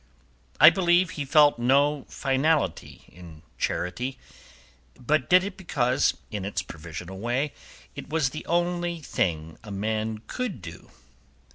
I believe he felt no finality in charity, but did it because in its provisional way it was the only thing a man could do.